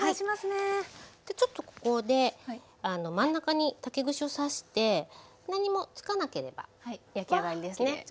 ちょっとここで真ん中に竹串を刺して何もつかなければ焼き上がりですね。